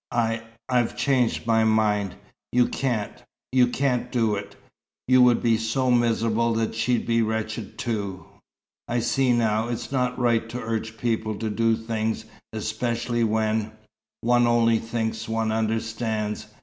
I I've changed my mind. You can't you can't do it. You would be so miserable that she'd be wretched, too. I see now, it's not right to urge people to do things, especially when one only thinks one understands.